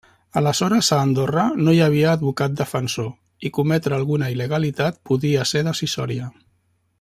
Aleshores a Andorra no hi havia advocat defensor i cometre alguna il·legalitat podia ser decisòria.